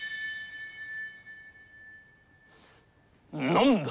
何だ？